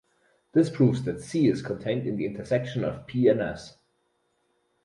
This proves that "C" is contained in the intersection of "P" and "S".